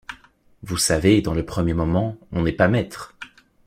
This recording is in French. Vous savez, dans le premier moment, on n’est pas maître.